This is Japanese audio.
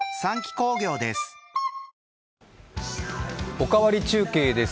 「おかわり中継」です。